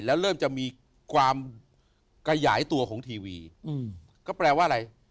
แล้วเริ่มจะมีความขยายตัวของทีวีก็แปลว่าอะไร